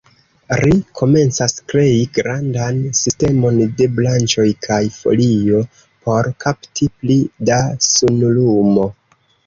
Ri komencas krei grandan sistemon de branĉoj kaj folio, por kapti pli da sunlumo.